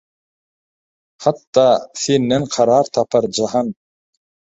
Hatda «Senden karar tapar jahan